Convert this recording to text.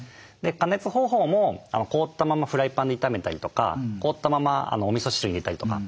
加熱方法も凍ったままフライパンで炒めたりとか凍ったままおみそ汁に入れたりとか。